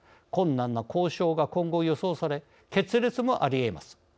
困難な交渉が今後、予想され決裂もあり得ます。